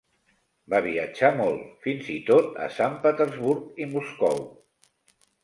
Va viatjar molt, fins i tot a Sant Petersburg i Moscou.